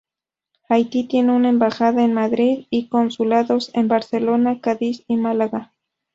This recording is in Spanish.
Haití tiene una embajada en Madrid, y consulados en Barcelona, Cádiz y Málaga.